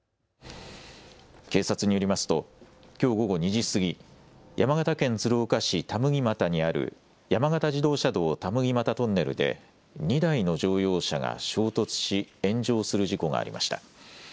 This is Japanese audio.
警察によりますときょう午後２時過ぎ、山形県鶴岡市田麦俣にある山形自動車道田麦俣トンネルで２台の乗用車が衝突し炎上する事故がありました。